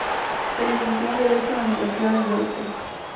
Se licenció en Derecho en la Universidad de Deusto.